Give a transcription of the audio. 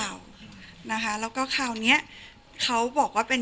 อะไรครับ